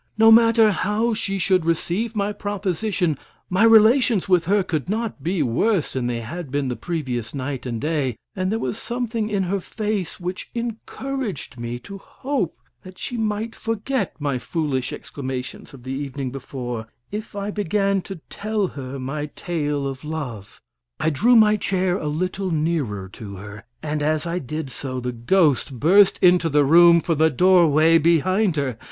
No matter how she should receive my proposition, my relations with her could not be worse than they had been the previous night and day, and there was something in her face which encouraged me to hope that she might forget my foolish exclamations of the evening before if I began to tell her my tale of love. I drew my chair a little nearer to her, and as I did so the ghost burst into the room from the doorway behind her.